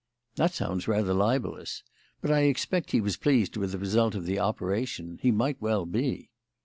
"That sounds rather libellous; but I expect he was pleased with the result of the operation. He might well be."